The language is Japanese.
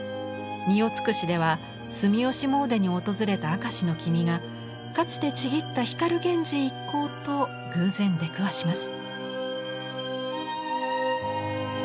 「澪標」では住吉詣に訪れた明石の君がかつて契った光源氏一行と偶然出くわします。